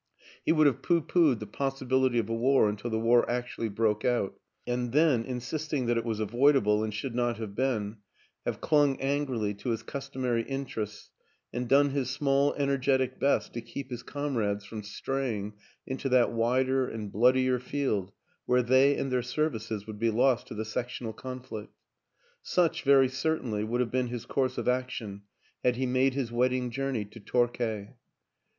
He would have pooh poohed the possibility of a war until the war ac tually broke out; and then, insisting that it was avoidable and should not have been, have clung angrily to his customary interests and done his small energetic best to keep his comrades from straying into that wider and bloodier field where they and their services would be lost to the sec tional conflict. Such, very certainly, would have been his course of action had he made his wed ding journey to Torquay.